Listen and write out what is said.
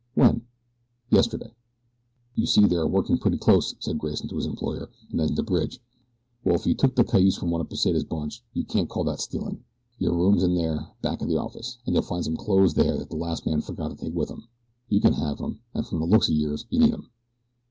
"When?" "Yesterday." "You see they are working pretty close," said Grayson, to his employer, and then to Bridge: "Well, if you took that cayuse from one of Pesita's bunch you can't call that stealin'. Your room's in there, back of the office, an' you'll find some clothes there that the last man forgot to take with him. You ken have 'em, an' from the looks o' yourn you need 'em."